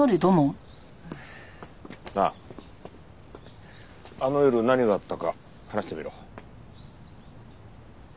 なああの夜何があったか話してみろ。